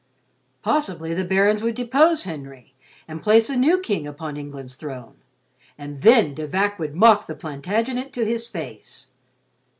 Possibly the barons would depose Henry, and place a new king upon England's throne, and then De Vac would mock the Plantagenet to his face.